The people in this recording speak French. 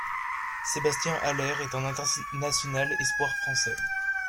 Sébastien Haller est un international espoir français.